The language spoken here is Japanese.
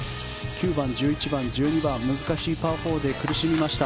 ９番、１１番、１２番難しいパー４で苦しみました。